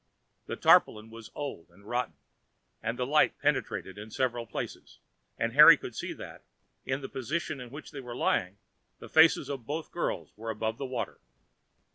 The tarpaulin was old and rotten, and the light penetrated in several places, and Harry could see that, in the position in which they were lying, the faces of both girls were above the water.